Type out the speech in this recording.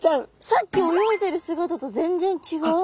さっき泳いでる姿と全然ちがう。